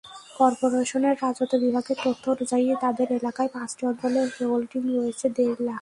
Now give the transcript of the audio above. করপোরেশনের রাজস্ব বিভাগের তথ্য অনুযায়ী, তাদের এলাকায় পাঁচটি অঞ্চলে হোল্ডিং রয়েছে দেড় লাখ।